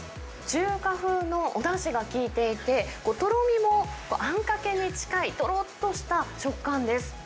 中華風のおだしが効いていて、とろみもあんかけに近い、とろっとした食感です。